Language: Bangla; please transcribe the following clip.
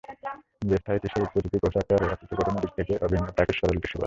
যে স্থায়ী টিস্যুর প্রতিটি কোষ আকার, আকৃতি ও গঠনের দিক থেকে অভিন্ন তাকে সরল টিস্যু বলে।